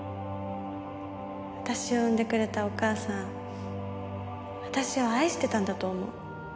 私を産んでくれたお母さん私を愛してたんだと思う。